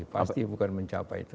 pasti bukan mencapai itu